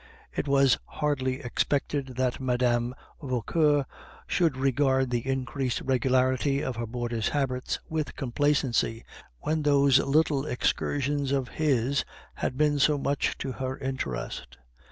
It was hardly expected that Mme. Vauquer should regard the increased regularity of her boarder's habits with complacency, when those little excursions of his had been so much to her interest.